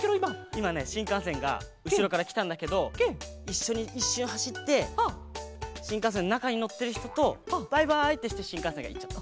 いまねしんかんせんがうしろからきたんだけどいっしょにいっしゅんはしってしんかんせんのなかにのってるひととバイバイってしてしんかんせんがいっちゃった。